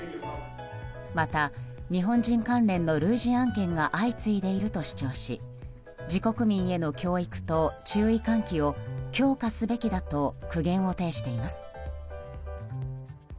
また、日本人関連の類似案件が相次いでいると主張し自国民への教育と注意喚起を強化すべきだと苦言を呈しています。